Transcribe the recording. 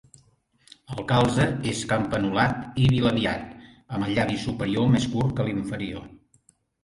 El calze és campanulat i bilabiat, amb el llavi superior més curt que l'inferior.